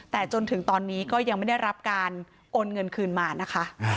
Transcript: แต่จนถึงตอนนี้ก็ยังไม่ได้รับการโอนเงินคืนมานะคะ